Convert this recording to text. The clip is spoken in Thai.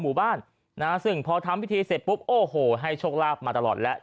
หมู่บ้านนะฮะซึ่งพอทำพิธีเสร็จปุ๊บโอ้โหให้โชคลาภมาตลอดแล้ว